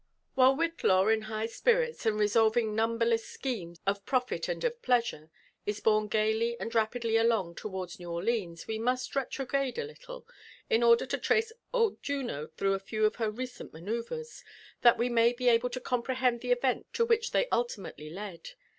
While Whillaw, in high spirits, and resolving numberless schemes of proGt and of i)leasure, is borne gaily and rapidly along towards New Orleans, we must retrograde a Utile, rn order to trace old Juno through a few of her recent manoeuvres, that we may be able to comprehend the events to which they ultimately led.